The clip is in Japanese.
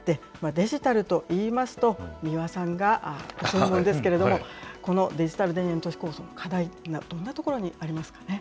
デジタルといいますと、三輪さんが専門ですけれども、このデジタル田園都市構想の課題というのはどんなところにありま